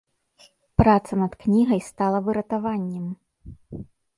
Праца над кнігай стала выратаваннем.